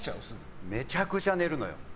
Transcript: めちゃくちゃ寝るのよ。